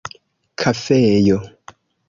kafejo